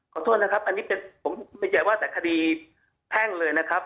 ขอโทษนะครับอันนี้ผมไม่ใช่ว่าแต่คดีแพ่งเลยนะครับ